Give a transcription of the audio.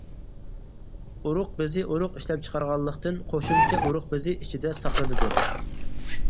ئۇرۇق بېزى ئۇرۇق ئىشلەپچىقارغانلىقتىن، قوشۇمچە ئۇرۇق بېزى ئىچىدە ساقلىنىدۇ.